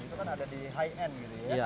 itu kan ada di high end gitu ya